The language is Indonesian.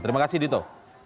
terima kasih dito